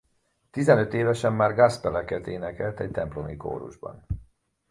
Tizenöt évesen már gospeleket énekelt egy templomi kórusban.